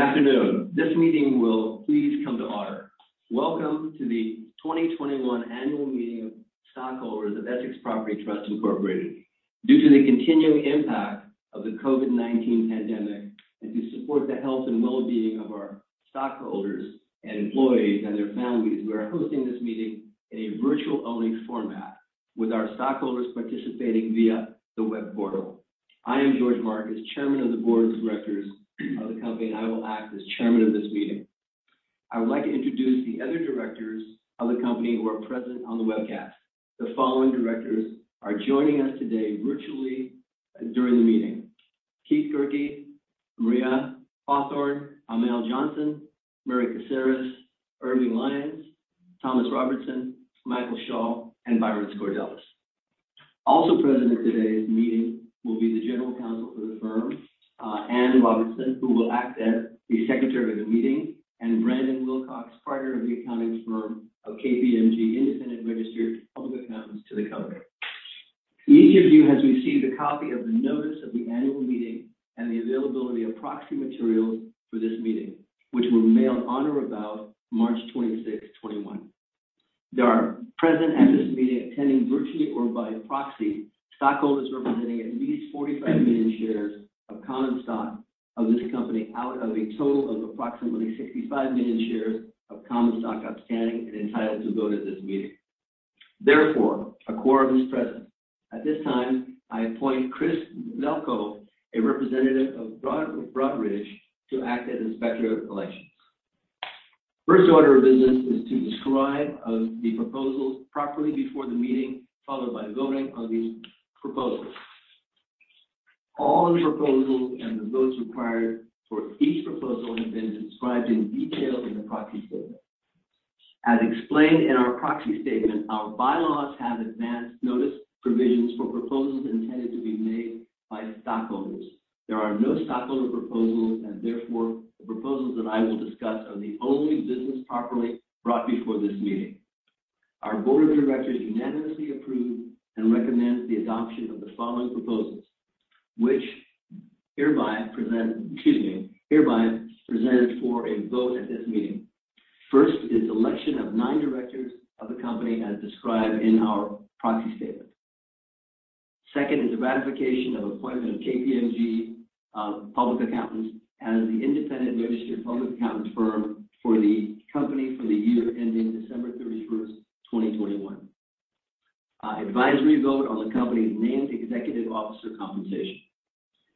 Good afternoon. This meeting will please come to order. Welcome to the 2021 annual meeting of stockholders of Essex Property Trust Incorporated. Due to the continuing impact of the COVID-19 pandemic and to support the health and wellbeing of our stockholders and employees and their families, we are hosting this meeting in a virtual only format, with our stockholders participating via the web portal. I am George Marcus, Chairman of the Board of Directors of the company, and I will act as chairman of this meeting. I would like to introduce the other directors of the company who are present on the webcast. The following directors are joining us today virtually during the meeting. Keith Guericke, Maria Hawthorne, Amal Johnson, Mary Kasaris, Irving Lyons, Thomas Robinson, Michael Schall, and Byron A. Scordelis. Also present at today's meeting will be the general counsel for the firm, Anne Morrison, who will act as the secretary of the meeting, and Brandon Wilcox, partner of the accounting firm of KPMG Independent Registered Public Accountants to the company. Each of you has received a copy of the notice of the annual meeting and the availability of proxy materials for this meeting, which were mailed on or about March 26, 2021. There are present at this meeting, attending virtually or by proxy, stockholders representing at least 45 million shares of common stock of this company, out of a total of approximately 65 million shares of common stock outstanding and entitled to vote at this meeting. Therefore, a quorum is present. At this time, I appoint Chris, a representative of Broadridge, to act as inspector of elections. First order of business is to describe the proposals properly before the meeting, followed by voting on these proposals. All the proposals and the votes required for each proposal have been described in detail in the proxy statement. As explained in our proxy statement, our bylaws have advanced notice provisions for proposals intended to be made by stockholders. There are no stockholder proposals, and therefore, the proposals that I will discuss are the only business properly brought before this meeting. Our board of directors unanimously approved and recommends the adoption of the following proposals, which hereby present for a vote at this meeting. First is election of nine directors of the company as described in our proxy statement. Second is the ratification of appointment of KPMG Public Accountants as the independent registered public accountant firm for the company for the year ending December 31st, 2021. Advisory vote on the company's named executive officer compensation.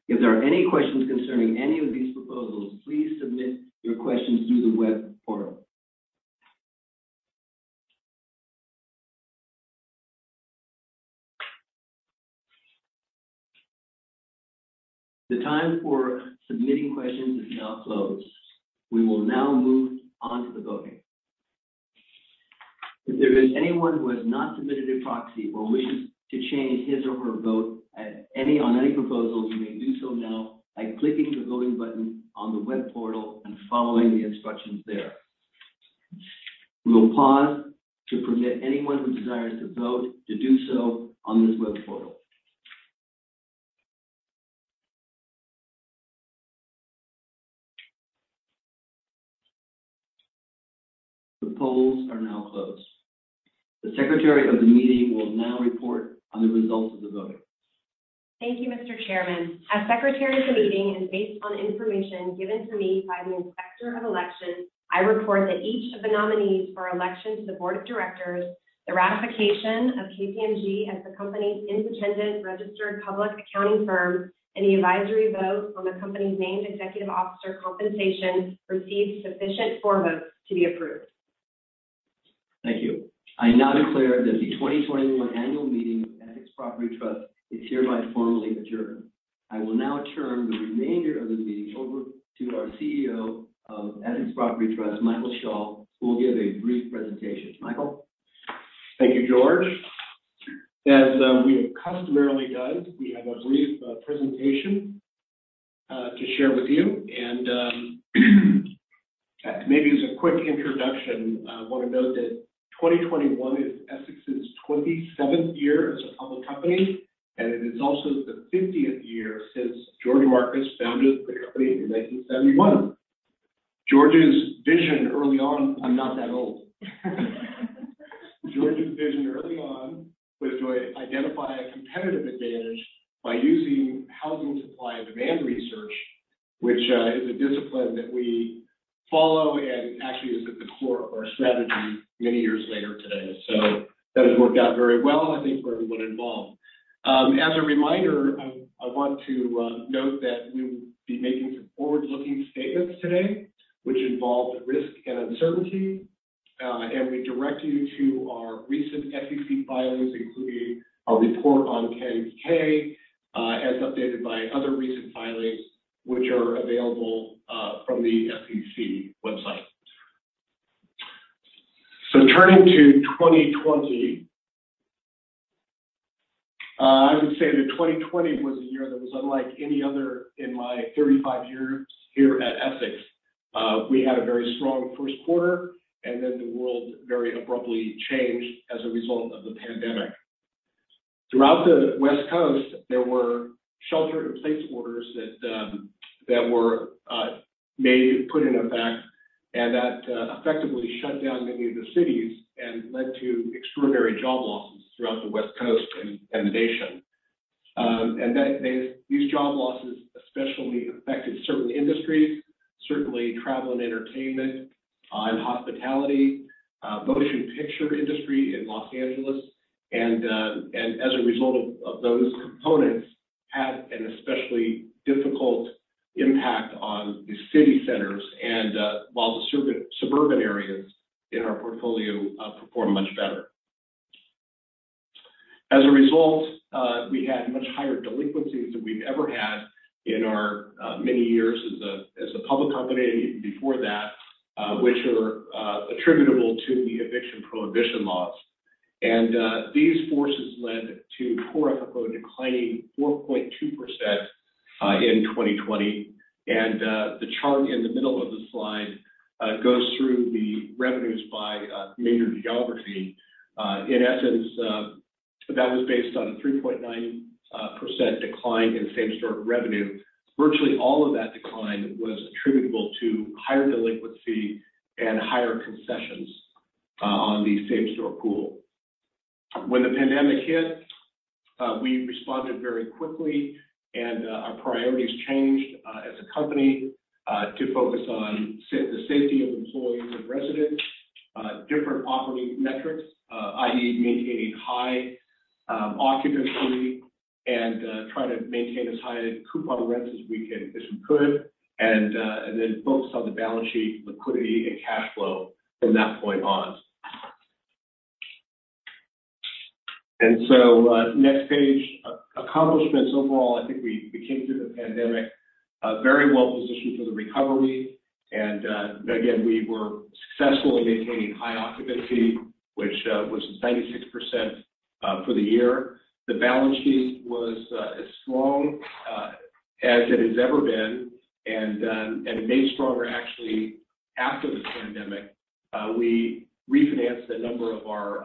If there are any questions concerning any of these proposals, please submit your questions through the web portal. The time for submitting questions is now closed. We will now move on to the voting. If there is anyone who has not submitted a proxy or wishes to change his or her vote on any proposals, you may do so now by clicking the voting button on the web portal and following the instructions there. We will pause to permit anyone who desires to vote to do so on this web portal. The polls are now closed. The secretary of the meeting will now report on the results of the voting. Thank you, Mr. Chairman. As secretary of the meeting and based on information given to me by the inspector of elections, I report that each of the nominees for election to the board of directors, the ratification of KPMG as the company's independent registered public accounting firm, and the advisory vote on the company's named executive officer compensation received sufficient for votes to be approved. Thank you. I now declare that the 2021 annual meeting of Essex Property Trust is hereby formally adjourned. I will now turn the remainder of the meeting over to our CEO of Essex Property Trust, Michael Schall, who will give a brief presentation. Michael? Thank you, George. As we have customarily done, we have a brief presentation to share with you. Maybe as a quick introduction, I want to note that 2021 is Essex's 27th year as a public company, and it is also the 50th year since George Marcus founded the company in 1971. I'm not that old. George's vision early on was to identify a competitive advantage by using housing supply and demand research, which is a discipline that we follow and actually is at the core of our strategy many years later today. That has worked out very well, I think, for everyone involved. As a reminder, I want to note that we will be making some forward-looking statements today, which involve risk and uncertainty. We direct you to our recent SEC filings, including our report on 10-K, as updated by other recent filings, which are available from the SEC website. Turning to 2020, I would say that 2020 was a year that was unlike any other in my 35 years here at Essex. We had a very strong first quarter. The world very abruptly changed as a result of the pandemic. Throughout the West Coast, there were shelter in place orders that were made, put in effect, and that effectively shut down many of the cities and led to extraordinary job losses throughout the West Coast and the nation. These job losses especially affected certain industries, certainly travel and entertainment and hospitality, motion picture industry in Los Angeles, and as a result of those components, had an especially difficult impact on the city centers and while the suburban areas in our portfolio performed much better. As a result, we had much higher delinquencies than we've ever had in our many years as a public company, even before that, which are attributable to the eviction prohibition laws. These forces led to core FFO declining 4.2% in 2020. The chart in the middle of the slide goes through the revenues by major geography. In essence, that was based on a 3.9% decline in same-store revenue. Virtually all of that decline was attributable to higher delinquency and higher concessions on the same-store pool. When the pandemic hit, we responded very quickly, and our priorities changed as a company to focus on the safety of employees and residents, different operating metrics, i.e., maintaining high occupancy and trying to maintain as high coupon rents as we could. Focused on the balance sheet liquidity and cash flow from that point on. Next page. Accomplishments overall, I think we came through the pandemic very well-positioned for the recovery. Again, we were successful in maintaining high occupancy, which was 96% for the year. The balance sheet was as strong as it has ever been, and made stronger actually after this pandemic. We refinanced a number of our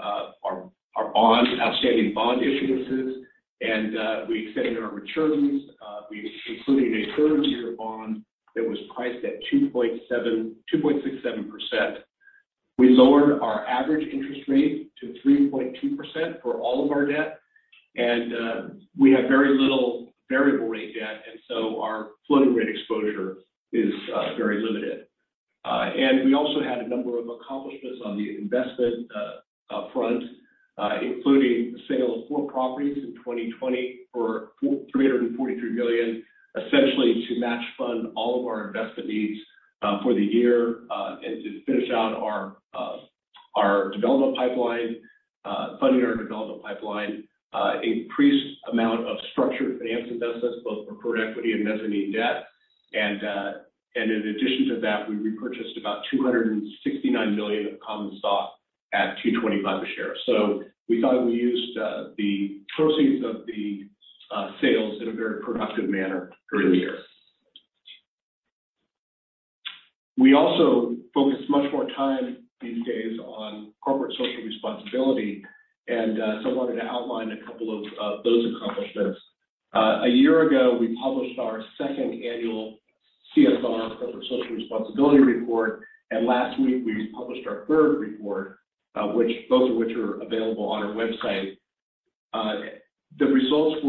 outstanding bond issuances, and we extended our maturities. We concluded a 30-year bond that was priced at 2.67%. We lowered our average interest rate to 3.2% for all of our debt. We have very little variable rate debt, so our floating rate exposure is very limited. We also had a number of accomplishments on the investment front, including the sale of four properties in 2020 for $343 million, essentially to match fund all of our investment needs for the year, and to finish out our development pipeline, funding our development pipeline. Increased amount of structured finance investments, both for preferred equity and mezzanine debt. In addition to that, we repurchased about $269 million of common stock at $225 a share. We thought we used the proceeds of the sales in a very productive manner during the year. We also focused much more time these days on corporate social responsibility, so I wanted to outline a couple of those accomplishments. A year ago, we published our second annual CSR, corporate social responsibility report. Last week, we published our third report, both of which are available on our website. The results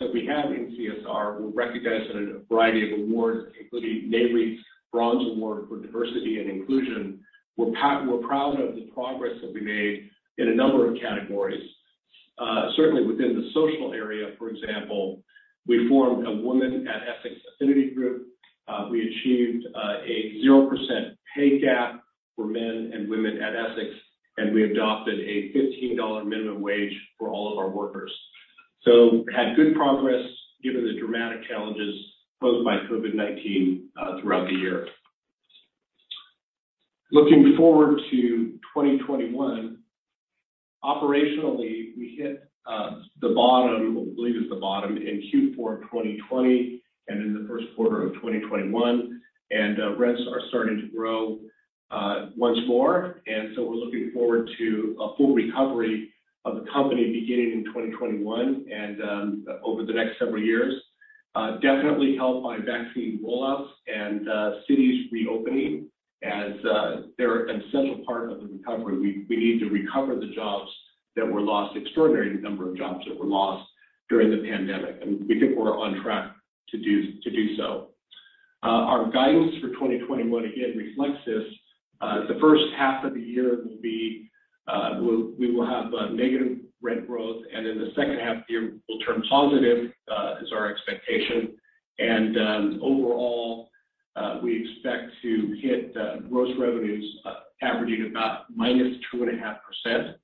that we have in CSR were recognized in a variety of awards, including Nareit's Bronze Award for Diversity and Inclusion. We're proud of the progress that we made in a number of categories. Certainly within the social area, for example, we formed a Women at Essex affinity group. We achieved a 0% pay gap for men and women at Essex. We adopted a $15 minimum wage for all of our workers. Had good progress given the dramatic challenges posed by COVID-19 throughout the year. Looking forward to 2021, operationally, we hit the bottom, what we believe is the bottom, in Q4 2020. In the first quarter of 2021. Rents are starting to grow once more. We're looking forward to a full recovery of the company beginning in 2021 and over the next several years. Definitely helped by vaccine rollouts and cities reopening, as they're an essential part of the recovery. We need to recover the extraordinary number of jobs that were lost during the pandemic, and we think we're on track to do so. Our guidance for 2021 again reflects this. The first half of the year, we will have a negative rent growth, and in the second half of the year, we'll turn positive is our expectation. Overall, we expect to hit gross revenues averaging about -2.5%.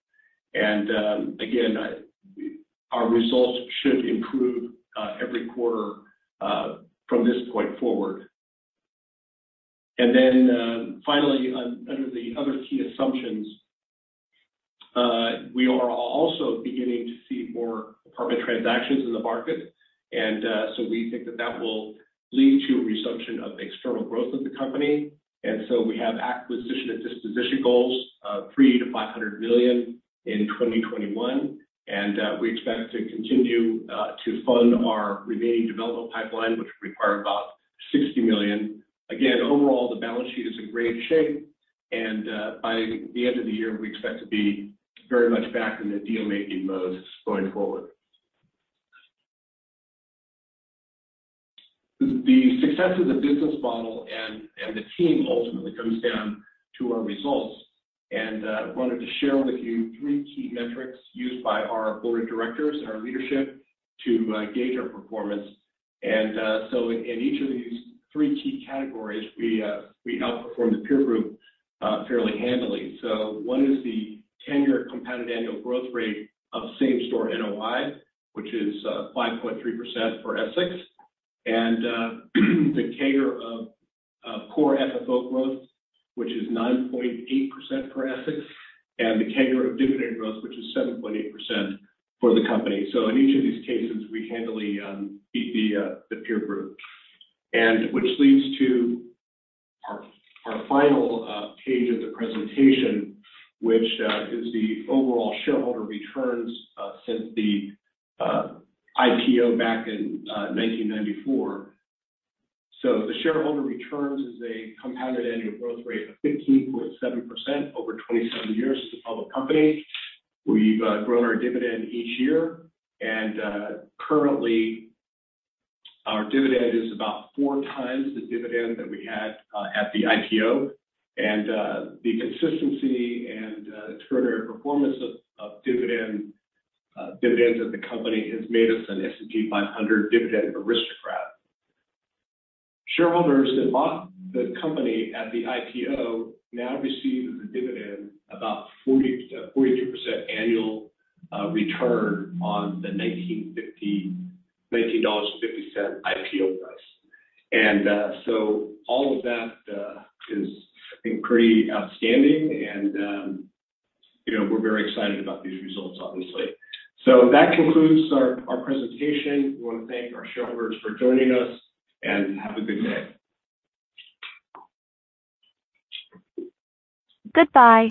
Again, our results should improve every quarter from this point forward. Finally, under the other key assumptions, we are also beginning to see more apartment transactions in the market. We think that that will lead to a resumption of external growth of the company. We have acquisition and disposition goals of $300 million-$500 million in 2021, and we expect to continue to fund our remaining development pipeline, which will require about $60 million. Again, overall, the balance sheet is in great shape, and by the end of the year, we expect to be very much back in the deal-making mode going forward. The success of the business model and the team ultimately comes down to our results. I wanted to share with you three key metrics used by our board of directors and our leadership to gauge our performance. In each of these three key categories, we outperform the peer group fairly handily. One is the 10-year compounded annual growth rate of same store NOI, which is 5.3% for Essex. The CAGR of core FFO growth, which is 9.8% for Essex. The CAGR of dividend growth, which is 7.8% for the company. In each of these cases, we handily beat the peer group. Which leads to our final page of the presentation, which is the overall shareholder returns since the IPO back in 1994. The shareholder returns is a compounded annual growth rate of 15.7% over 27 years as a public company. We've grown our dividend each year, and currently, our dividend is about four times the dividend that we had at the IPO. The consistency and extraordinary performance of dividends of the company has made us an S&P 500 Dividend Aristocrat. Shareholders that bought the company at the IPO now receive as a dividend about 42% annual return on the $19.50 IPO price. All of that is, I think, pretty outstanding, and we're very excited about these results, obviously. That concludes our presentation. We want to thank our shareholders for joining us, and have a good day.